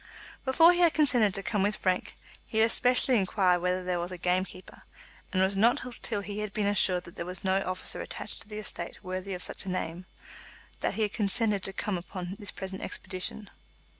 Before he had consented to come with Frank, he had especially inquired whether there was a game keeper, and it was not till he had been assured that there was no officer attached to the estate worthy of such a name, that he had consented to come upon his present expedition.